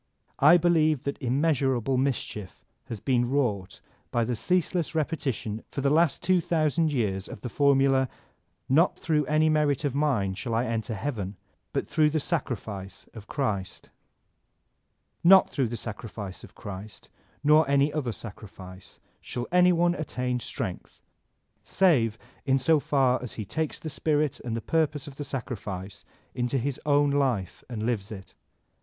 I believe that immeasurable mischief has been wrought by the ceaseless repetition for the last two thousand years of the formula: "Not throtigh any merit of mine shall I enter heaven, but throtigh die sacrifice of Christ" — Not through the sacrifice of Christ, nor any other sacrifice, shall any one attain strength, save in so far as he takes the spirit and the purpose of the sacrifice into his own life and lives it.